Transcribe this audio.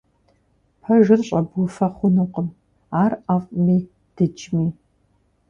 Пэжыр щӏэбуфэ хъунукъым, ар ӏэфӏми дыджми.